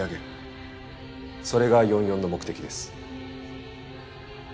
それが４４の目的です。